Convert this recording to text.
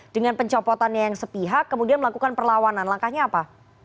dengan pencopotannya yang sepihak kemudian melakukan perlawanan langkahnya apa